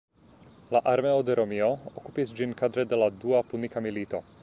La armeo de Romio okupis ĝin kadre de la Dua Punika Milito.